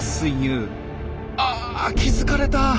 あ気付かれた！